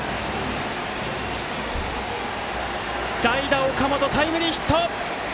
代打、岡本タイムリーヒット！